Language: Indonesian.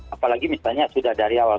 apalagi misalnya sudah dari awal